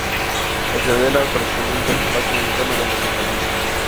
La ciudadela correspondiente al espacio más interno del asentamiento.